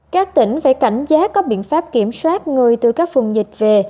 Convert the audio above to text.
các tỉnh phải cảnh giá có biện pháp kiểm soát người từ các phùng dịch về